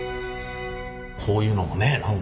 こういうのもね何か。